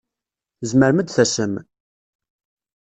Tzemrem ad d-tasem?